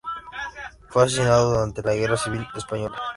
Fue asesinado durante la guerra civil española.